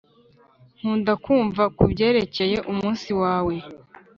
nkunda kumva kubyerekeye umunsi wawe